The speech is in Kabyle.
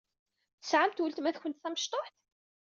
Tesɛamt weltma-tkent tamecṭuḥt?